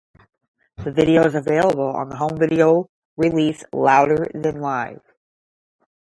The video is available on the home video release "Louder Than Live".